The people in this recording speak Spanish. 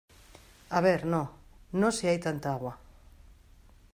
a ver no, no si hay tanta agua ;